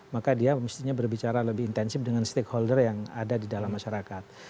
maka dia mestinya berbicara lebih intensif dengan stakeholder yang ada di dalam masyarakat